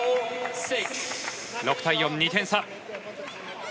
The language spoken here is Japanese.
６対４、２点差。